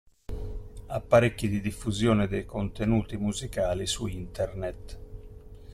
Apparecchi di diffusione dei contenuti musicali su Internet.